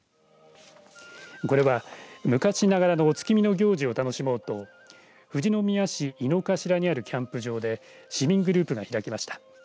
これは昔ながらのお月見の行事を楽しもうと富士宮市猪之頭にあるキャンプ場で市民グループが開きました。